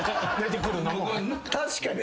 確かに。